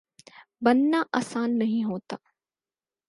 بننا آسان نہیں ہوتا